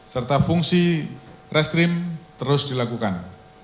serta fungsi restrim terus dilakukan